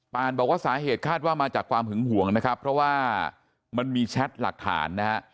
บอกว่าสาเหตุคาดว่ามาจากความหึงห่วงนะครับเพราะว่ามันมีแชทหลักฐานนะฮะ